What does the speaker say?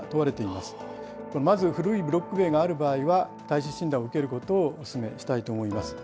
まず古いブロック塀のある場合は、耐震診断を受けることをお勧めしたいと思います。